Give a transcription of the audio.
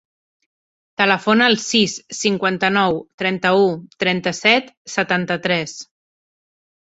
Telefona al sis, cinquanta-nou, trenta-u, trenta-set, setanta-tres.